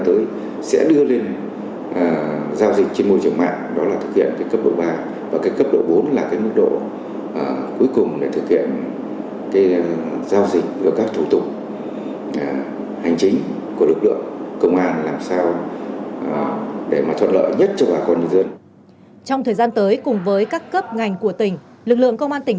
trong thời gian tới cùng với các cấp ngành của tỉnh lực lượng công an tỉnh